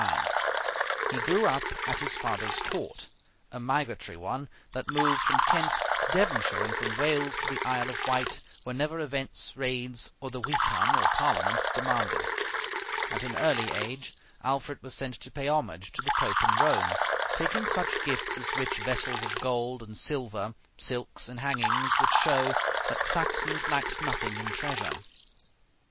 He grew up at his father's court, a migratory one, that moved from Kent to Devonshire and from Wales to the Isle of Wight whenever events, raids, or the Witan (Parliament) demanded. At an early age Alfred was sent to pay homage to the Pope in Rome, taking such gifts as rich vessels of gold and silver, silks, and hangings, which show that Saxons lacked nothing in treasure.